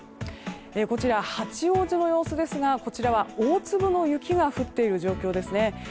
こちらは八王子の様子ですがこちらは大粒の雪が降っている状況です。